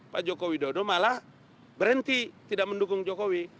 pak jokowi dodo malah berhenti tidak mendukung jokowi